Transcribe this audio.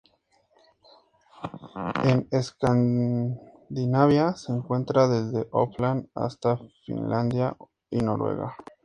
En Escandinavia, se encuentra desde Oppland hasta Finlandia y Noruega.